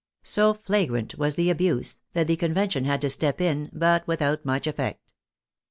So fla grant was the abuse, that the Convention had to step in, but without much effect.